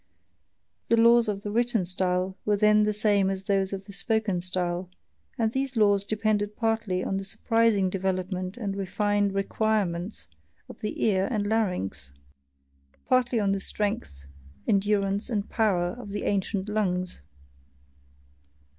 The laws of the written style were then the same as those of the spoken style; and these laws depended partly on the surprising development and refined requirements of the ear and larynx; partly on the strength, endurance, and power of the ancient lungs.